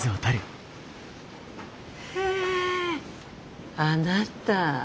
へえあなた